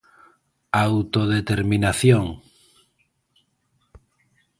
Autodeterminación.